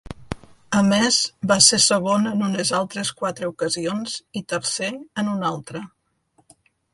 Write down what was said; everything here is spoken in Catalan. A més, va ser segon en unes altres quatre ocasions i tercer en una altra.